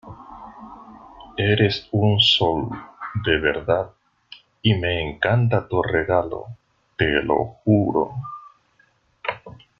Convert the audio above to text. eres un sol, de verdad , y me encanta tu regalo , te lo juro